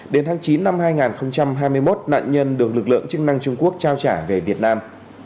đến tháng chín năm hai nghìn hai mươi một nạn nhân được lực lượng chức năng trung quốc trao trả về việt nam